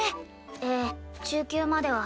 ええ中級までは。